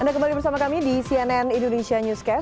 anda kembali bersama kami di cnn indonesia newscast